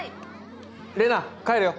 玲奈帰るよ。